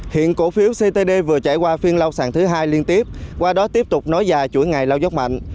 hiện cổ phiếu ctd vừa trải qua phiên lao sàn thứ hai liên tiếp qua đó tiếp tục nối dài chuỗi ngày lao dốc mạnh